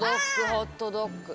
ホットドッグ。